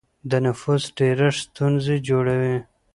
د نفوس ډېرښت ستونزې جوړوي.